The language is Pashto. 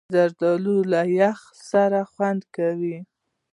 زردالو له یخ سره خوند کوي.